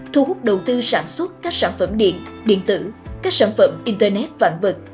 thu hút đầu tư sản xuất các sản phẩm điện điện tử các sản phẩm internet vạn vật